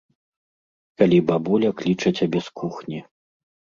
Калі бабуля кліча цябе з кухні.